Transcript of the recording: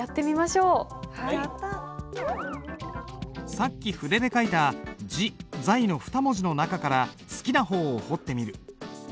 さっき筆で書いた「自在」の２文字の中から好きな方を彫ってみる。